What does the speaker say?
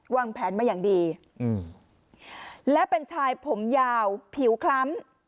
วางแผนมาอย่างดีอืมและเป็นชายผมยาวผิวคล้ำ